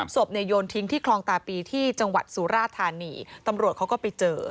ศพเนี่ยโยนทิ้งที่คลองตาปีที่จังหวัดสุราธานีตำรวจเขาก็ไปเจอ